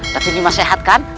tapi nyimas sehat kan